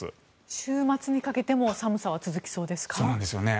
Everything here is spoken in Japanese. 週末にかけても寒さは続きそうですか。